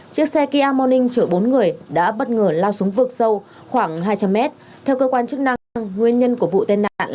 chiếc xe kia morning chở bốn người đã bất ngờ lao xuống vực sâu khoảng hai trăm linh mét